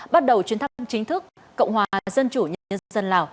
bắt đầu chuyến thăm chính thức cộng hòa dân chủ nhân dân lào